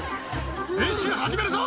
・練習始めるぞ！